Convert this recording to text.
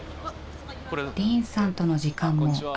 ディーンさんとの時間もあと僅か。